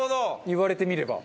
言われてみれば。